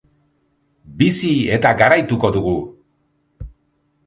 Bizi eta garaituko dugu!